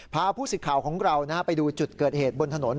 ผู้สิทธิ์ข่าวของเราไปดูจุดเกิดเหตุบนถนน